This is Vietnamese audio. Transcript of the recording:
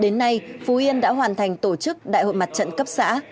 đến nay phú yên đã hoàn thành tổ chức đại hội mặt trận cấp xã